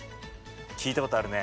聞いたことあるね。